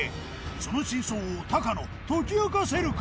その真相を高野解き明かせるか！？